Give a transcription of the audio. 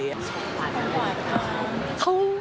ขอขอได้ไหมครับ